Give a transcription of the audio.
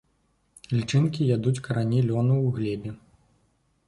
Лічынкі ядуць карані лёну ў глебе.